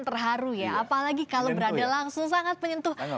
terharu ya apalagi kalau berada langsung sangat menyentuh